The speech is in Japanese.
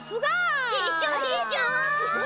でしょでしょ！